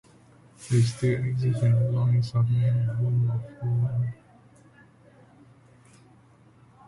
They still exist in the loins of men and wombs of women.